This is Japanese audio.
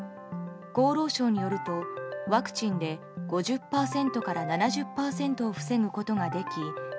厚労省によると、ワクチンで５０％から７０％を防ぐことができ